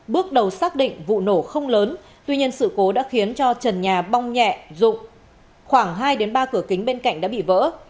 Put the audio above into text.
bước đầu xác định vụ nổ không lớn tuy nhiên sự cố đã khiến cho trần nhà bong nhẹ rụng khoảng hai ba cửa kính bên cạnh đã bị vỡ